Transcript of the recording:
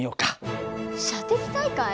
射的大会？